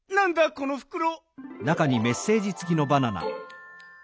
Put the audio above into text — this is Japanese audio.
このふくろ。